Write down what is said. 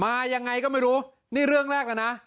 ยังไงก็ไม่รู้นี่เรื่องแรกแล้วนะ